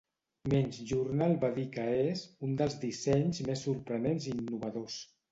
'Men's Journal' va dir que és "un dels dissenys més sorprenents i innovadors".